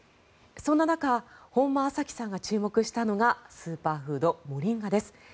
そんな中、本間有貴さんが注目したのがスーパーフード、モリンガです。